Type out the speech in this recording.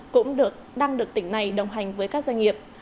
cũng đang được tỉnh này đồng hành với các doanh nghiệp